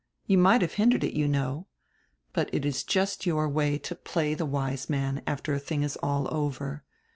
You might have hindered it, you know. But it is just your way to play die wise man after a diing is all over.